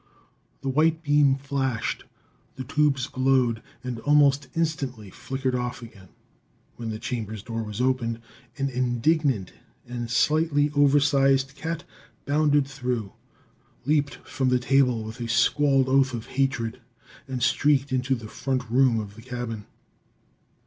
The white beam flashed, the tubes glowed and almost instantly flickered off again. When the chamber's door was opened, an indignant and slightly oversized cat bounded through, leaped from the table with a squawled oath of hatred and streaked into the front room of the cabin.